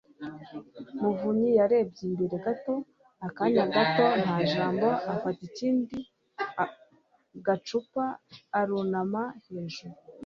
Muvunyi yarebye imbere gato akanya gato, nta jambo, afata ikindi gacupa arunama hejuru